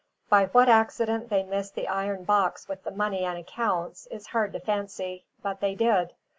By what accident they missed the iron box with the money and accounts, is hard to fancy; but they did.